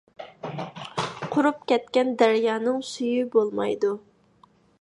قۇرۇپ كەتكەن دەريانىڭ سۈيى بولمايدۇ.